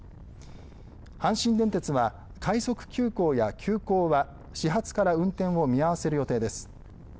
阪神電鉄は快速急行や急行は始発から運転を見合わせる予定です。